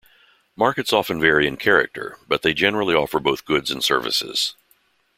Markets often vary in character, but they generally offer both goods and services.